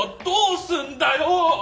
どうすんだよ！